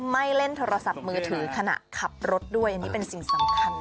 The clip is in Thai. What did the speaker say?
ไม่เล่นโทรศัพท์มือถือขณะขับรถด้วยอันนี้เป็นสิ่งสำคัญ